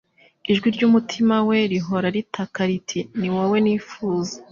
Ijwi ry’umutima we rihora ritaka riti, ni wowe nifuza